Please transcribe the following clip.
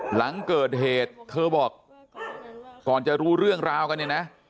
หลังเกิดเหตุเธอบอกก่อนจะรู้เรื่องราวกันเนี่ยนะ